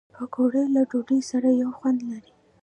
پکورې له ډوډۍ سره یو خوند لري